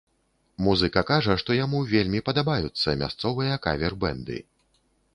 Музыка кажа, што яму вельмі падабаюцца мясцовыя кавер-бэнды.